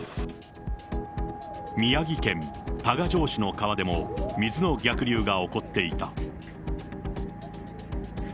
宮城県多賀城市の川でも、水の逆流が起こっていた。